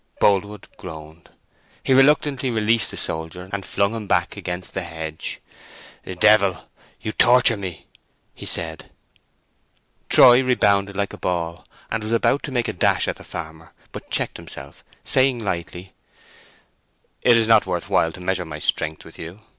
Boldwood groaned. He reluctantly released the soldier, and flung him back against the hedge. "Devil, you torture me!" said he. Troy rebounded like a ball, and was about to make a dash at the farmer; but he checked himself, saying lightly— "It is not worth while to measure my strength with you.